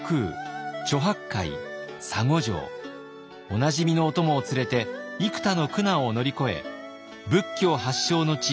おなじみのお供を連れて幾多の苦難を乗り越え仏教発祥の地